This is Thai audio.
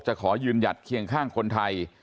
ขอยืนหยัดเคียงข้างคนไทย